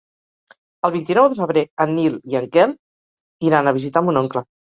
El vint-i-nou de febrer en Nil i en Quer iran a visitar mon oncle.